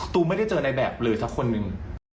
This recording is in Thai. ตุ้มไม่ได้เจอนายแบบเลยทักคนนึง